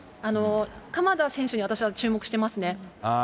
鎌田選手に私は注目してますね。